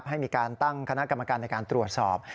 ให้มีการตั้งคณะกรรมการในการตรวจสอบ